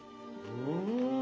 うん。